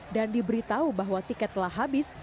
dan diberitahu bahwa tiket telah habis